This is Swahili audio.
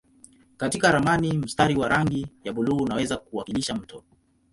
Katika ramani mstari wa rangi ya buluu unaweza kuwakilisha mto.